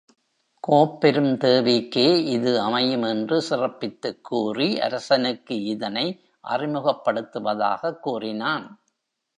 கோப்பெருந்தேவிக்கே இது அமையும் என்று சிறப் பித்துக் கூறி அரசனுக்கு இதனை அறிமுகப்படுத்துவதாகக் கூறினான்.